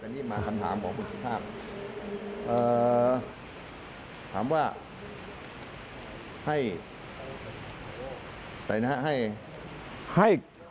นี่มาคำถามของผู้ชิดภาพถามว่าให้